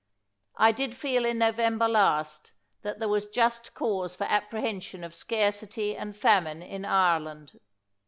I did feel in November last that there was just cause for apprehension of scarcity and famine in Ireland.